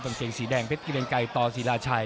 เพชรเกลียงไกรต่อสีราชัย